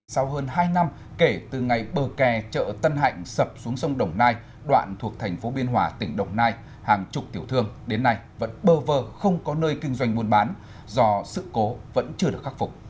sau hơn hai năm kể từ ngày bờ kè chợ tân hạnh sập xuống sông đồng nai đoạn thuộc thành phố biên hòa tỉnh đồng nai hàng chục tiểu thương đến nay vẫn bơ vơ không có nơi kinh doanh buôn bán do sự cố vẫn chưa được khắc phục